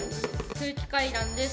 空気階段です。